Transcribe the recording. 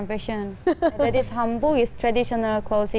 ini adalah pakaian yang tradisional di korea